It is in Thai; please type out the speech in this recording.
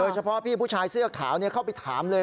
เฉพาะพี่ผู้ชายเสื้อขาวเข้าไปถามเลย